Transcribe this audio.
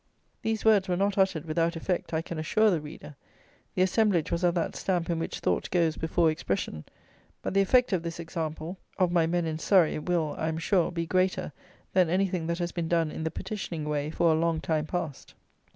These words were not uttered without effect I can assure the reader. The assemblage was of that stamp in which thought goes before expression; but the effect of this example of my men in Surrey will, I am sure, be greater than anything that has been done in the petitioning way for a long time past.